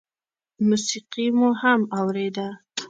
موسيقي مو هم اورېده.